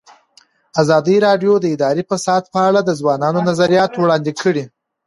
ازادي راډیو د اداري فساد په اړه د ځوانانو نظریات وړاندې کړي.